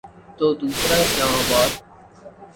تو دوسرا اسلام آباد۔